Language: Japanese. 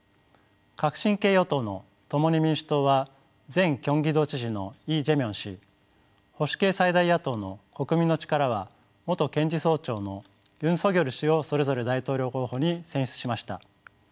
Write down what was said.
革新系与党の「共に民主党」は前京畿道知事のイ・ジェミョン氏保守系最大野党の「国民の力」は元検事総長のユン・ソギョル氏をそれぞれ大統領候補に選出しました。